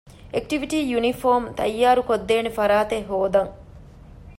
އެކްޓިވިޓީ ޔުނީފޯމު ތައްޔާރުކޮށްދޭނެ ފަރާތެއް ހޯދަން